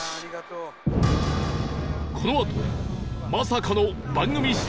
このあとまさかの番組史